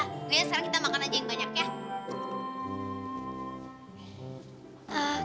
kayaknya sekarang kita makan aja yang banyak ya